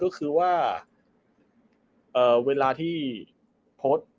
ก็คือว่าเวลาที่โพสต์